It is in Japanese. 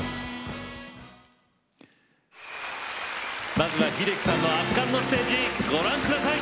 まずは秀樹さんの圧巻のステージご覧ください！